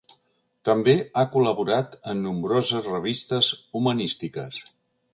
També ha col·laborat en nombroses revistes humanístiques.